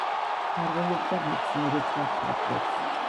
მფარველობდა მეცნიერებს და მხატვრებს.